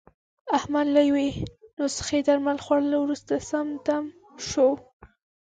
احمد له یوې نسخې درمل خوړلو ورسته، سم دم شو.